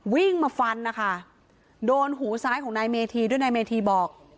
วิ่งมาฟันนะคะโดนหูซ้ายของนายเมธีด้วยนายเมธีบอก